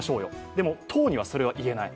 でも党にはそれが言えない。